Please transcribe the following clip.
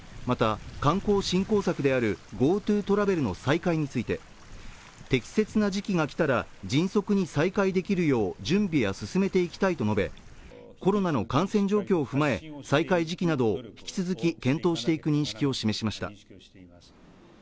また観光振興策であるＧｏＴｏトラベルの再開について適切な時期が来たら迅速に再開できるよう準備を進めていきたいと述べコロナの感染状況を踏まえ再開時期などを引き続き検討していく認識を示しました